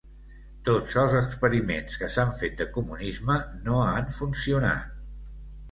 Tots els experiments que s’han fet de comunisme no han funcionat.